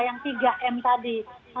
yang tiga m tadi